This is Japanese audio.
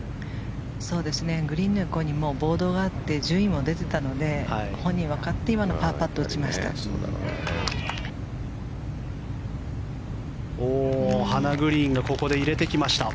グリーンの横にボードがあって順位も出ていたので本人は分かって今のパーパット打ちました。